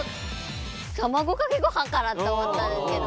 たまごかけご飯かなって思ったんですけど。